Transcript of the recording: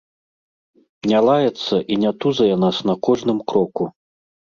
Не лаецца і не тузае нас на кожным кроку.